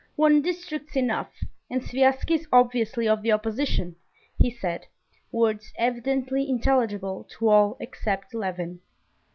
"One district's enough, and Sviazhsky's obviously of the opposition," he said, words evidently intelligible to all except Levin.